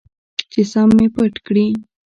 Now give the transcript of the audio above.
چې سم مې پټ کړي.